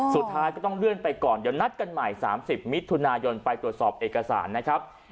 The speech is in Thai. สุดท้ายก็ต้องเลื่อนไปก่อนเดี๋ยวนัดกันใหม่๓๐มิถุนายนไปตรวจสอบเอกสารนะครับ